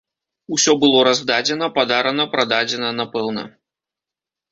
Усё было раздадзена, падарана, прададзена, напэўна.